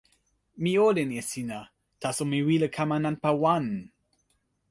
mi olin e sina, taso mi wile kama nanpa wan.